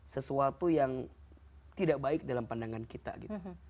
sesuatu yang tidak baik dalam pandangan kita gitu